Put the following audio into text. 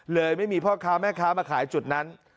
ไม่มีพ่อค้าแม่ค้ามาขายจุดนั้น